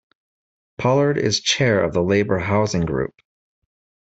Pollard is chair of the Labour Housing Group.